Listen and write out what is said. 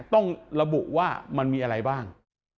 ต้องระบุว่ามันมีอะไรบ้าง